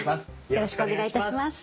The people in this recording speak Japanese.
よろしくお願いします。